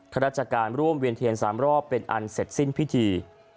ราชการร่วมเวียนเทียน๓รอบเป็นอันเสร็จสิ้นพิธี